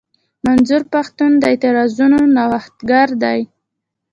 منظور پښتين د اعتراضونو نوښتګر دی.